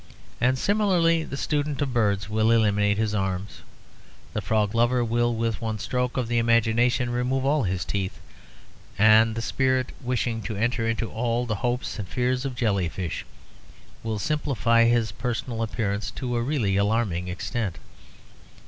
And similarly the student of birds will eliminate his arms; the frog lover will with one stroke of the imagination remove all his teeth, and the spirit wishing to enter into all the hopes and fears of jelly fish will simplify his personal appearance to a really alarming extent.